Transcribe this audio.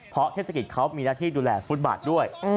เพราะเทศกิจเขามีหน้าที่ดูแลฟุตบาทด้วย